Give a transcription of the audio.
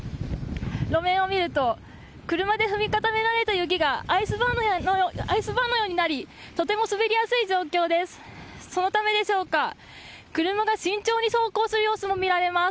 路面を見ると車で踏み固められた雪がアイスバーンのようになりとても滑りやすい状況です。